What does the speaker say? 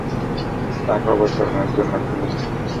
চাকা অবতরণের জন্য খুলেছে।